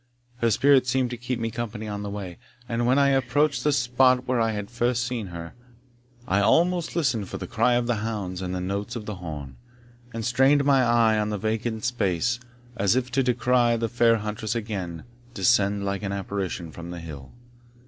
Her spirit seemed to keep me company on the way; and when I approached the spot where I had first seen her, I almost listened for the cry of the hounds and the notes of the horn, and strained my eye on the vacant space, as if to descry the fair huntress again descend like an apparition from the hill.